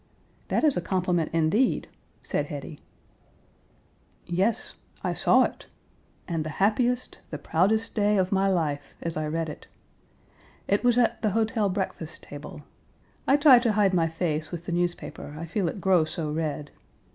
"That is a compliment, indeed!" said Hetty. "Yes. I saw it. And the Page 273 happiest, the proudest day of my life as I read it. It was at the hotel breakfast table. I try to hide my face with the newspaper, I feel it grow so red.